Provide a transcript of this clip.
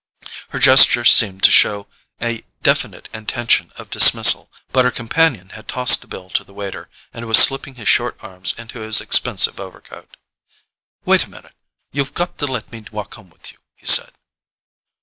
Her gesture seemed to show a definite intention of dismissal, but her companion had tossed a bill to the waiter, and was slipping his short arms into his expensive overcoat. "Wait a minute—you've got to let me walk home with you," he said.